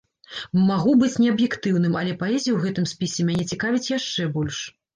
Магу быць неаб'ектыўным, але паэзія ў гэтым спісе мяне цікавіць яшчэ больш.